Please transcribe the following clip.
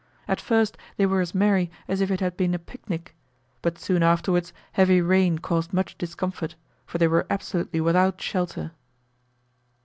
At first they were as merry as if it had been a picnic; but soon afterwards heavy rain caused much discomfort, for they were absolutely without shelter.